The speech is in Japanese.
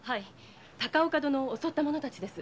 高岡殿を襲った者たちです。